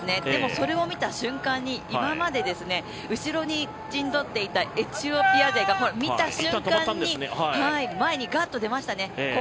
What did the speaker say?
それを見た瞬間に、今まで後ろに陣取っていたエチオピア勢が、見た瞬間に前にがっと出ましたね。